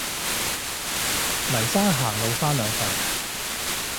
黎生行路返兩份